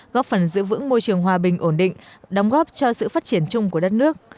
góp phần giữ vững môi trường hòa bình ổn định đóng góp cho sự phát triển chung của đất nước